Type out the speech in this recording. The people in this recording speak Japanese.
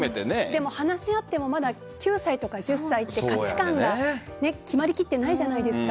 でも話し合っても９歳とか１０歳って価値観が決まりきってないじゃないですか。